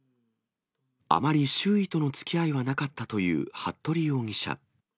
あまり周囲とのつきあいはなかったという服部容疑者。